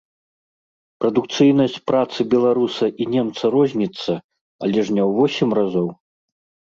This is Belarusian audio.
Прадукцыйнасць працы беларуса і немца розніцца, але ж не ў восем разоў.